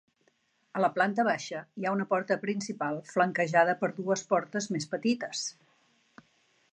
A la planta baixa, hi ha una porta principal flanquejada per dues portes més petites.